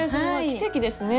奇跡ですね！